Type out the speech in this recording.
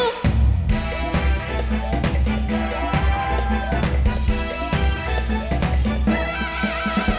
ถ้าได้ลองลองลองกูคงได้รู้รู้รู้